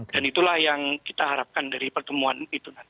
dan itulah yang kita harapkan dari pertemuan itu